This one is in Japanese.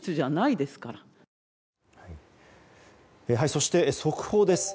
そして速報です。